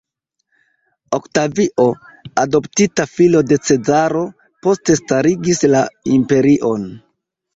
Oktavio, adoptita filo de Cezaro, poste starigis la imperion.